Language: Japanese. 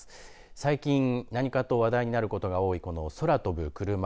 最近何かと話題になることが多いこの空飛ぶクルマ。